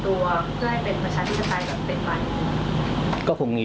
เพื่อให้เป็นประชาธิศาสตรายกับเป็นรัฐมนตรี